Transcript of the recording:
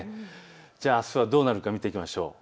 では、あすはどうなるのか見ていきましょう。